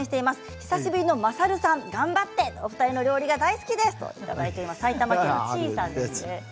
久しぶりのまさるさん頑張ってお二人の料理が大好きですと埼玉県の方です。